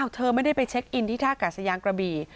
เธอไม่ได้ไปเช็คอินที่ท่ากาศยานกระบี่